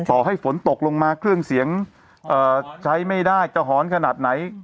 ต่อให้ฝนตกลงมาเครื่องเสียงใช้ไม่ได้จะหอนขนาดไหน